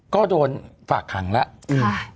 ก็โดนฝากหังแล้วค่ะ